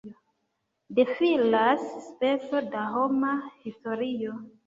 Defilas peco da homa historio.